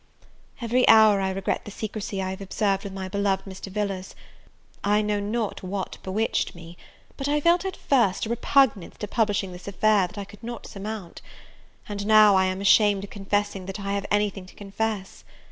Every hour I regret the secrecy I have observed with my beloved Mr. Villars; I know not what bewitched me, but I felt at first a repugnance to publishing this affair that I could not surmount; and now, I am ashamed of confessing that I have any thing to confess!